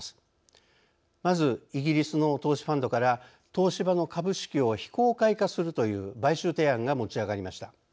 まずイギリスの投資ファンドから東芝の株式を非公開化するという買収提案が持ち上がりました。